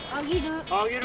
あげる？